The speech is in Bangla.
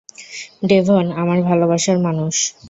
ডেভন, আমার ভালোবাসার মানুষ।